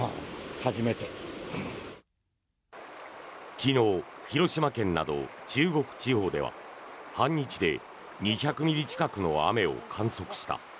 昨日、広島県など中国地方では半日で２００ミリ近くの雨を観測した。